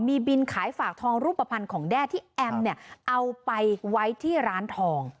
มีบินขายฝากทองรูปภัณฑ์ของแด้ที่แอมเนี่ยเอาไปไว้ที่ร้านทอง